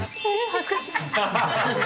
恥ずかしい。